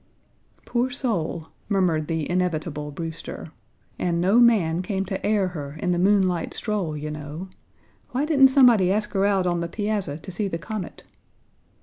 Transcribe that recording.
"Poor soul," murmured the inevitable Brewster, "and no man came to air her in the moonlight stroll, you know. Why didn't somebody ask her out on the piazza to see the comet?"